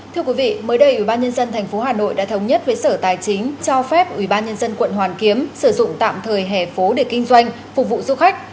thưa quý vị mới đây ubnd tp hà nội đã thống nhất với sở tài chính cho phép ubnd quận hoàn kiếm sử dụng tạm thời hẻ phố để kinh doanh phục vụ du khách